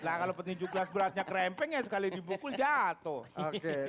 nah kalau petinju kelas beratnya krempeng ya sekali dibukul jatuh